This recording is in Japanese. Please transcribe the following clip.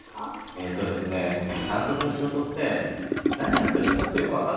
えっとですね監督の仕事って何やってるかちょっとよく分かんないと思うんですよ。